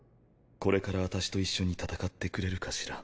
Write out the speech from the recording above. これから私と一緒に戦ってくれるかしら？